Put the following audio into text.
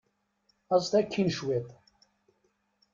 Aẓet akkin cwiṭ.